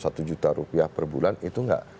rp satu juta per bulan itu nggak